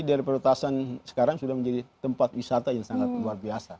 dari peretasan sekarang sudah menjadi tempat wisata yang sangat luar biasa